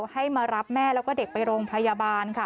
ให้มารับแม่แล้วก็เด็กไปโรงพยาบาลค่ะ